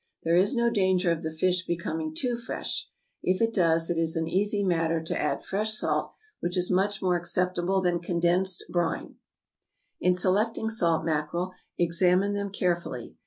There is no danger of the fish becoming too fresh; if it does, it is an easy matter to add fresh salt, which is much more acceptable than condensed brine. In selecting salt mackerel, examine them carefully.